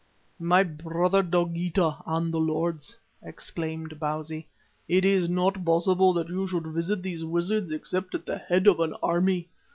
"My brother Dogeetah and lords," exclaimed Bausi, "it is not possible that you should visit these wizards except at the head of an army.